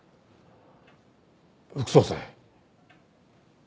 副総裁？